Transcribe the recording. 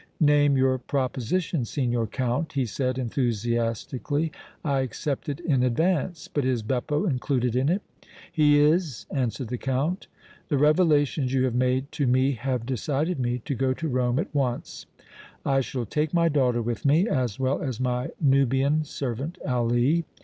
"Name your proposition, Signor Count," he said, enthusiastically. "I accept it in advance. But is Beppo included in it?" "He is," answered the Count. "The revelations you have made to me have decided me to go to Rome at once. I shall take my daughter with me, as well as my Nubian servant Ali.